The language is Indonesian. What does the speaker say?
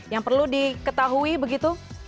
yang perlu diketahui begitu